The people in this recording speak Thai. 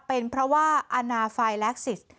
เป็นเพราะว่าอนาไฟแล็กซิส